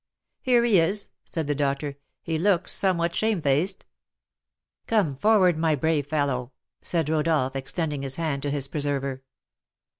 "Here he is," said the doctor; "he looks somewhat shamefaced." "Come forward, my brave fellow!" said Rodolph, extending his hand to his preserver.